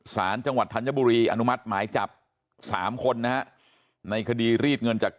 สารจังหวัดธัญบุรีอนุมัติหมายจับ๓คนนะฮะในคดีรีดเงินจาก